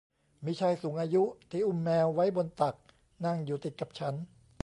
มีชายสูงอายุที่อุ้มแมวไว้บนตักนั่งอยู่ติดกับฉัน